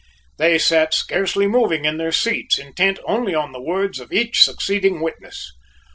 They sat scarcely moving in their seats, intent only on the words of each succeeding witness.